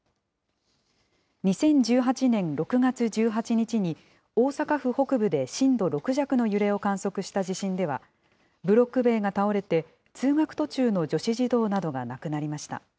２０１８年６月１８日に大阪府北部で震度６弱の揺れを観測した地震では、ブロック塀が倒れて、通学途中の女子児童などが亡くなりました。